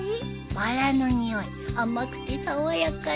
バラの匂い甘くて爽やかな。